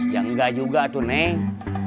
ya engga juga tuh neng